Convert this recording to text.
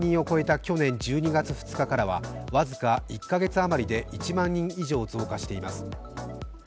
去年１２月２日からは僅か１か月余りで１万人以上増加しています。